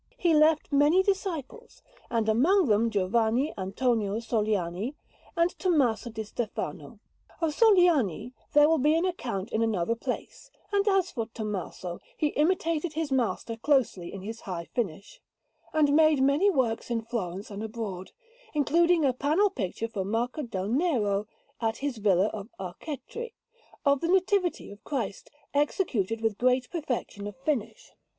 He left many disciples, and among them Giovanni Antonio Sogliani and Tommaso di Stefano. Of Sogliani there will be an account in another place; and as for Tommaso, he imitated his master closely in his high finish, and made many works in Florence and abroad, including a panel picture for Marco del Nero at his villa of Arcetri, of the Nativity of Christ, executed with great perfection of finish.